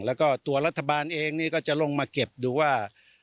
แล้วก็ตัวรัฐบาลเองนี่ก็จะลงมาเก็บดูว่า